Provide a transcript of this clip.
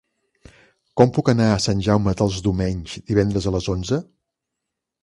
Com puc anar a Sant Jaume dels Domenys divendres a les onze?